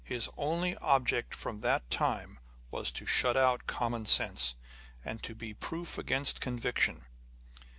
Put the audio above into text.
His only object from that time was to shut out common sense, and to be proof against conviction.